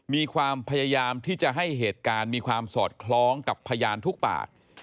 มีความพยายามที่จะให้เหตุการณ์มีความสอดคล้องกับพยานทุกปาก